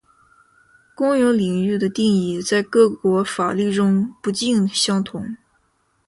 公有领域的定义在各国法律中不尽相同